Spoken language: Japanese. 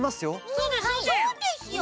そうですよ。